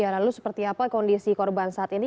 lalu seperti apa kondisi korban saat ini